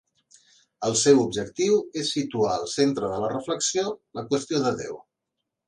El seu objectiu és situar al centre de la reflexió la qüestió de Déu.